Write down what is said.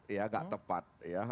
ya gak tepat